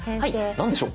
何でしょう？